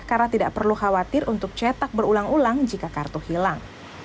karena tidak perlu khawatir untuk cetak berulang ulang jika kartu hilang